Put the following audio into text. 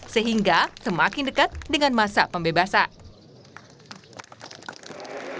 sehingga semakin dekat dengan masa pembebasan